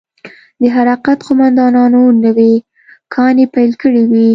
د حرکت قومندانانو نوې کانې پيل کړې وې.